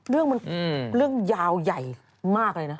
เรื่องมันเรื่องยาวใหญ่มากเลยนะ